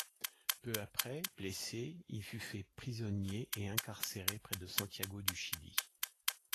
Peu après, blessé, il fut fait prisonnier et incarcéré près de Santiago du Chili.